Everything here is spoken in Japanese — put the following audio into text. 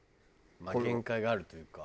まあ限界があるというか。